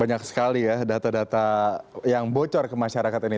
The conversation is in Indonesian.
banyak sekali ya data data yang bocor ke masyarakat ini